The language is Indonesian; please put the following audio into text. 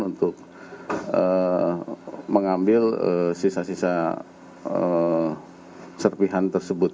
untuk mengambil sisa sisa serpihan tersebut